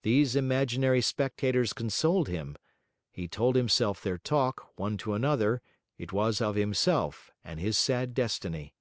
These imaginary spectators consoled him; he told himself their talk, one to another; it was of himself and his sad destiny.